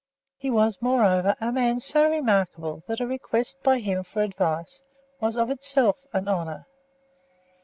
He was, moreover, a man so remarkable that a request by him for advice was of itself an honour.